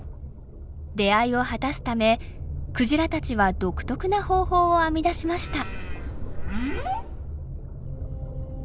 出会いを果たすためクジラたちは独特な方法を編み出しました。